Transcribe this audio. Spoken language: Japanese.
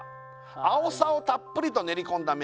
「あおさをたっぷりと練り込んだ麺」